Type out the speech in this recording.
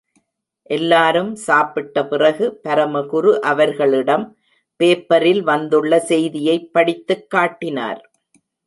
எல்லாரும் சாப்பிட்ட பிறகு, பரமகுரு அவர்களிடம் பேப்பரில் வந்துள்ள செய்தியைப் படித்துக் காட்டினார்.